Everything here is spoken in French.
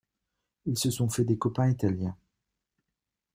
Ils se sont fait des copains italiens.